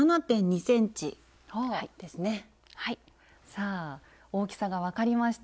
さあ大きさが分かりました。